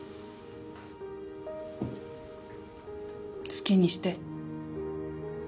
好きにして。